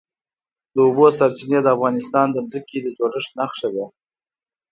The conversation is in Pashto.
د اوبو سرچینې د افغانستان د ځمکې د جوړښت نښه ده.